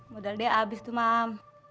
modal dia habis tuh mam